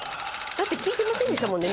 だって聞いてませんでしたもんね